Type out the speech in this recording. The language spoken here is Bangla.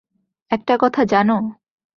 একটা কথা জানো?